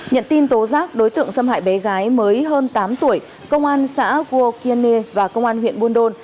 nhận tin tố giác đối tượng xâm hại bé gái mới hơn tám tuổi công an xã gua kiên nya và công an huyện buôn đôn